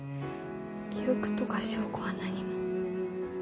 記録とか証拠は何も。